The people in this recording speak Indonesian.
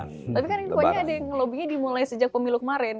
tapi kan ini pokoknya ada yang lobby dimulai sejak pemilu kemarin